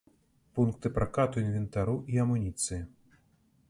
Пункты пракату інвентару і амуніцыі.